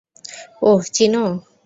ওহ, চিনো।